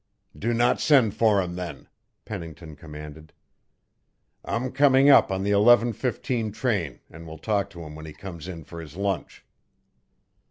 "Do not send for him, then," Pennington commanded. "I'm coming up on the eleven fifteen train and will talk to him when he comes in for his lunch."